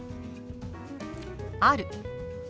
「ある」。